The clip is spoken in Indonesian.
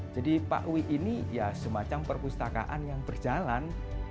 jadi pak wi ini ya semacam perpustakaan yang berjalan